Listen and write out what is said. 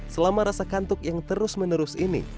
selama rasa kantuk yang terus menerus ini